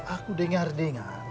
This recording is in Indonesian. aku dengar dengar